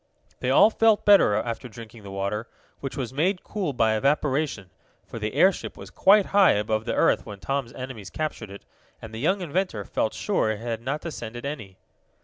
They all felt better after drinking the water, which was made cool by evaporation, for the airship was quite high above the earth when Tom's enemies captured it, and the young inventor felt sure it had not descended any.